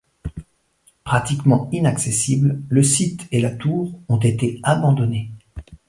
Pratiquement inaccessible, le site et la tour ont été abandonnés.